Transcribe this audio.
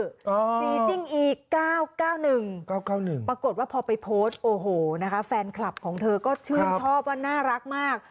จีจิ้งอีก๙๙๑๙๙๑ปรากฏว่าพอไปโพสต์โอ้โหนะคะแฟนคลับของเธอก็ชื่นชอบว่าน่ารักมาก